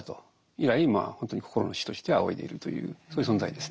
以来本当に心の師として仰いでいるというそういう存在ですね。